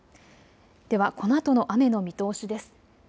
ではこのあとの雨の見通しです。